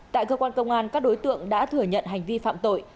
tại cơ quan công an các đối tượng đã thừa nhận hành vi phạm tội